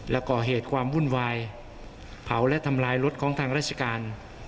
และก่อเหตุความวุ่นวายเผาและทำลายรถของทางราชการ